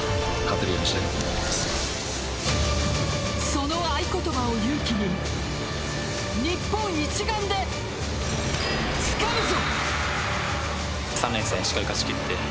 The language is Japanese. その合言葉を勇気に日本一丸でつかむぞ。